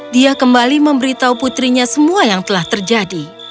dia kembali memberitahu putrinya semua yang telah terjadi